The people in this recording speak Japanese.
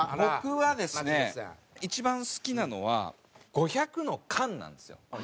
僕はですね一番好きなのは５００の缶なんですよ。